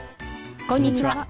こんにちは。